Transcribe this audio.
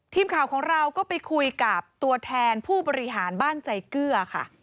ทีมข่าวของเราก็ไปคุยกับตัวแทนผู้บริหารบ้านใจเกลือค่ะ